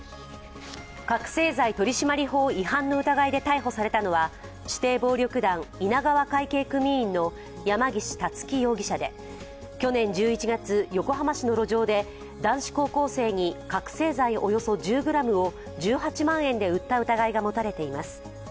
覚醒剤取締法違反の疑いで逮捕されたのは指定暴力団稲川会系組員の山岸竜貴容疑者で去年１１月、横浜市の路上で、男子高校生に覚醒剤およそ１０ｇを１８万円で売った疑いが持たれています。